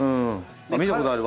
見たことある。